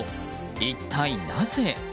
一体なぜ？